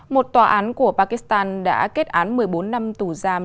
một tòa án của pakistan đã kết án một mươi bốn năm tù giam